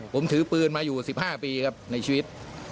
ผมถือปืนมาอยู่๑๕ปีครับในชีวิต